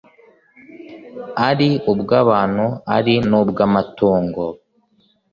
ari ubw’abantu ari n’ubw’amatungo